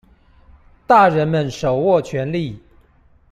大人們手握權利